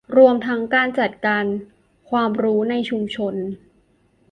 รวมทั้งการจัดการความรู้ในชุมชน